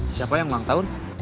siapa yang ulang tahun